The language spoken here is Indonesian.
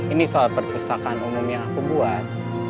ini soal perpustakaan umum yang aku buat